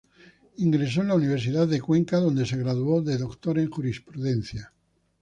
Ingresó en la Universidad de Cuenca, donde se graduó de doctor en jurisprudencia.